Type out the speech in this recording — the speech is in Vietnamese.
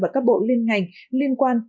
và các bộ liên ngành liên quan